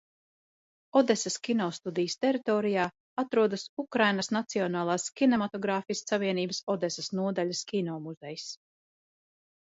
Odesas kinostudijas teritorijā atrodas Ukrainas Nacionālās kinematogrāfistu savienības Odesas nodaļas kino muzejs.